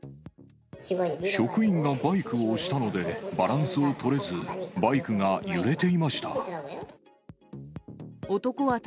職員がバイクを押したので、バランスを取れず、バイクが揺れていました。